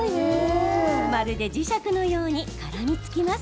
まるで磁石のように絡みつきます。